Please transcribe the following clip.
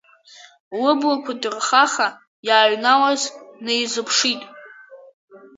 Лыблақәа ҭырхаха иааҩналаз днеизыԥшит.